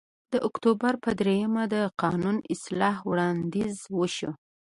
د اکتوبر په درېیمه د قانون اصلاح وړاندیز وشو